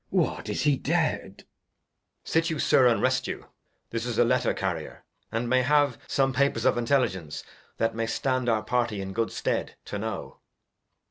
Glost. What! Is he dead? EAg. Sit you. Sir, and rest you. This is a Letter Carrier, and may have Some Papers of Intelligence, that may stand Our Party in good stead to know.